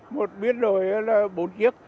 một biến đổi là bốn chiếc